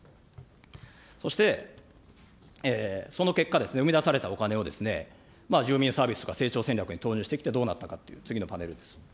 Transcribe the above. そして、その結果、生み出されたお金を住民サービスとか、成長戦略に投入してきてどうなったかという、次のパネルです。